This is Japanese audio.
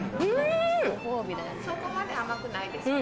そこまで甘くないでしょ？